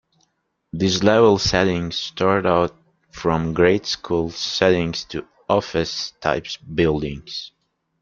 These level settings start out from grade school settings to office type buildings.